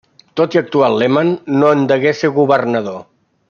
Tot i actuar al Iemen, no en degué ser governador.